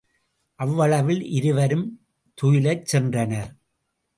அவ்வளவில் இருவரும் துயிலச் சென்றனர்.